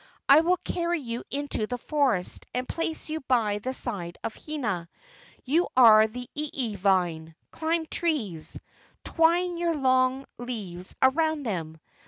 I will carry you into the forest and place you by the side of Hina. You are the ieie vine. Climb trees! Twine your long leaves around them!